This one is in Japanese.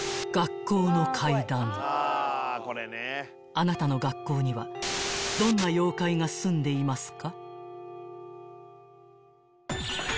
［あなたの学校にはどんな妖怪がすんでいますか？］